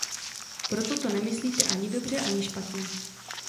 Proto to nemyslíte ani dobře ani špatně.